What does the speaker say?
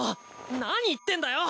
何言ってんだよ！